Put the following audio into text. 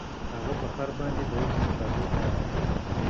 هغه په خر باندې د وسې مطابق بار اچاوه.